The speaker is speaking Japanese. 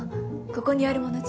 ここにあるもの